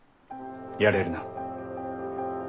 やれるな？